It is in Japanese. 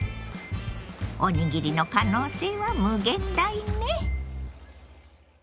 おにぎりの可能性は無限大ね。